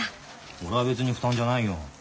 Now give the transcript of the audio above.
俺は別に負担じゃないよ。